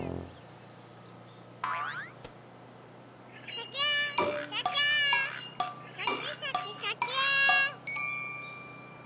シャキーンシャキーン！シャキシャキシャキーン！